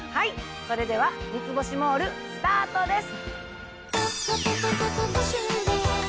それでは『三ツ星モール』スタートです。